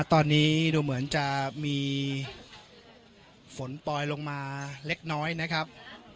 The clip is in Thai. ตอนนี้ดูเหมือนจะมีฝนปล่อยลงมาเล็กน้อยนะครับ